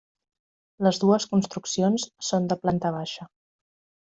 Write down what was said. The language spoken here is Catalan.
Les dues construccions són de planta baixa.